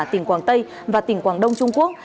tỉnh quảng tây và tỉnh quảng đông trung quốc